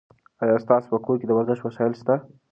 ایا ستاسو په کور کې د ورزش وسایل شته؟